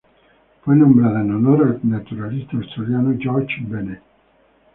Fue nombrada en honor al naturalista australiano George Bennett.